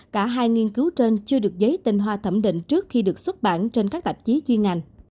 cả hai nghiên cứu trên chưa được giấy tinh hoa thẩm định trước khi được xuất bản trên các tạp chí chuyên ngành